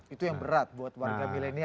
itu yang berat buat warga millenial sebenarnya